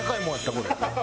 これ。